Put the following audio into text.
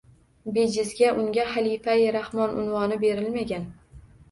Bejizga unga xalifai Rahmon unvoni berilmagan.